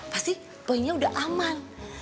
pasti boynya udah aman